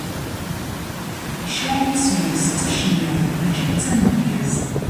Icaε yisem-is d tacennayt, mačči d tamedyazt.